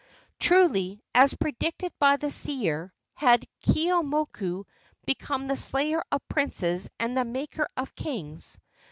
Truly, as predicted by the seer, had Keeaumoku become the slayer of princes and the maker of kings.